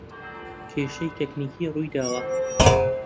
کێشەی تەکنیکی روویداوە